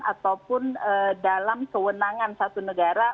ataupun dalam kewenangan satu negara